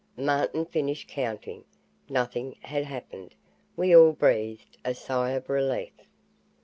Martin finished counting. Nothing had happened. We all breathed a sigh of relief.